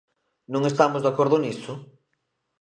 ¿Non estamos de acordo niso?